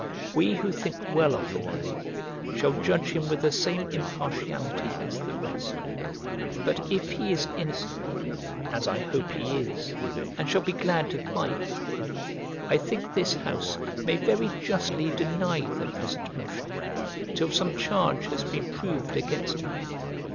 We who think well of the man shall judge him with the same impartiality as the rest; but if he is innocent, as I hope he is, and shall be glad to find, I think this house may very justly deny the present motion till some charge has been proved against him."